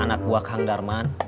anak buah kang darman